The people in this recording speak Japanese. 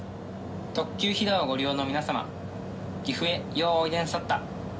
特急ひだをご利用の皆様、岐阜へようおいでなさった。